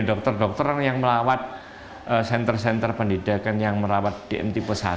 dokter dokter yang melawat center center pendidikan yang melawat dm tipe satu